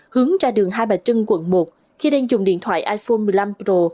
hướng ra đường hai bà trưng quận một khi đang dùng điện thoại iphone năm pro